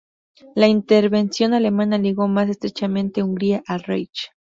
La intervención alemana ligó más estrechamente Hungría al Reich.